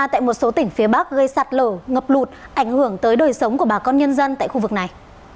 tại một số tỉnh phía bắc gây sạt lở ngập lụt ảnh hưởng tới đời sống của bà con nhân dân tại khu vực này